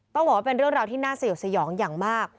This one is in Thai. ต้องบอกว่าเป็นเรื่องราวที่น่าสยดสยองอย่างมาก